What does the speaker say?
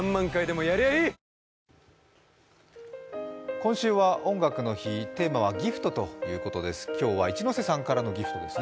今週は「音楽の日」テーマは「ＧＩＦＴ」ということです。